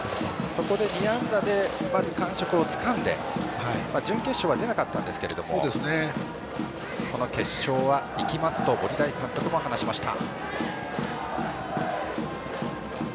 そこで２安打でまず感触をつかんで準決勝は出なかったんですけどこの決勝はいきますと森大監督も話しました。